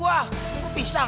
wah ya anak